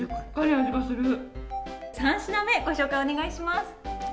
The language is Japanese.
３品目、ご紹介お願いします。